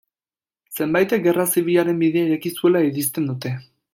Zenbaitek Gerra Zibilaren bidea ireki zuela irizten dute.